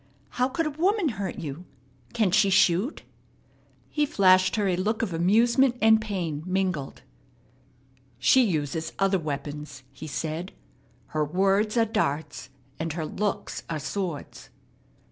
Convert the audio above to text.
How could a woman hurt you? Can she shoot?" He flashed her a look of amusement and pain mingled. "She uses other weapons," he said. "Her words are darts, and her looks are swords."